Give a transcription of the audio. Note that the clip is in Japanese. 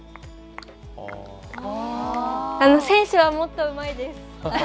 選手はもっとうまいです。